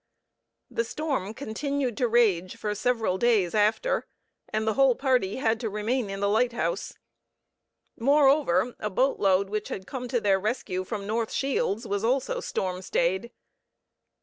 The storm continued to rage for several days after, and the whole party had to remain in the lighthouse. Moreover, a boatload which had come to their rescue from North Shields was also storm stayed.